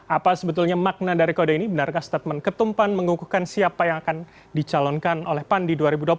apa sebetulnya makna dari kode ini benarkah statement ketumpan mengukuhkan siapa yang akan dicalonkan oleh pan di dua ribu dua puluh